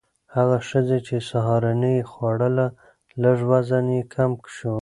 هغه ښځې چې سهارنۍ یې خوړله، لږ وزن یې کم شو.